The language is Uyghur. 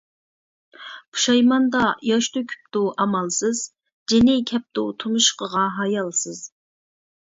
پۇشايماندا ياش تۆكۈپتۇ ئامالسىز، جېنى كەپتۇ تۇمشۇقىغا ھايالسىز.